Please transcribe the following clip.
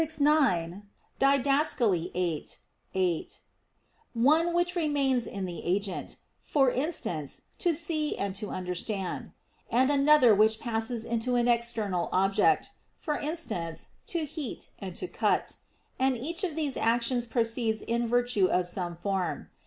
ix, Did. viii, 8), one which remains in the agent; for instance, to see and to understand; and another which passes into an external object; for instance, to heat and to cut; and each of these actions proceeds in virtue of some form.